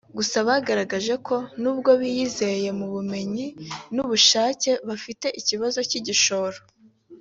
Gusa bagaragaje ko n’ubwo biyizeye mu bumenyi n’ubushake bagifite ikibazo cy’igishoro